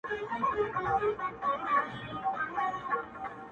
پای کي کيسه لوی نقد جوړوي انساني پوښتني راپورته کوي,